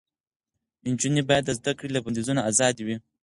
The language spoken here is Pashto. نجونې باید د زده کړې له بندیزونو آزادې وي.